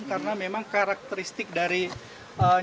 karena memang karakteristik dari nyamuk